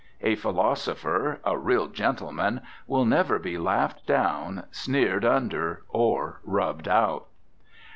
A philosopher, a real gentleman, will never be laughed down, sneered under, or rubbed out.